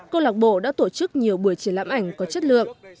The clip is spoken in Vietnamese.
câu lạc bộ đã tổ chức nhiều buổi triển lãm ảnh có chất lượng